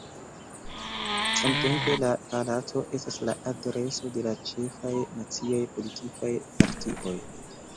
Samtempe la palaco estas la adreso de la ĉefaj naciaj politikaj partioj.